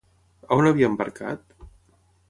On havia embarcat?